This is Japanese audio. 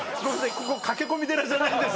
ここ駆け込み寺じゃないんですよ。